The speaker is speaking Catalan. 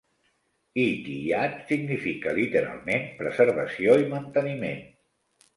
"Ihtiyat" significa, literalment, preservació i manteniment.